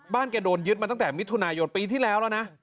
แกโดนยึดมาตั้งแต่มิถุนายนปีที่แล้วแล้วนะ